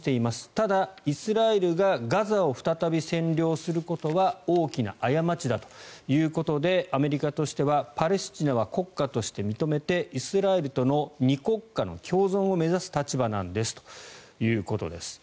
ただ、イスラエルがガザを再び占領することは大きな過ちだということでアメリカとしてはパレスチナは国家として認めてイスラエルとの２国家の共存を目指す立場なんですということです。